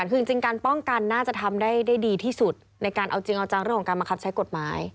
คือจริงการป้องกันน่าจะทำได้ดีที่สุดในการเอาจริงเอาจังเรื่องของการบังคับใช้กฎหมาย